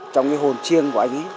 trong cái hồn chiêng của anh